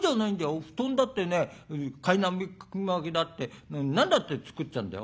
お布団だってねかいまきだって何だって作っちゃうんだよ。